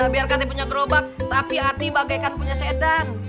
biar kaki punya gerobak tapi ati bagaikan punya sedan